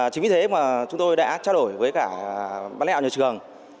chính vì thế mà chúng tôi đã trao đổi với cả bán lẻo nhà trường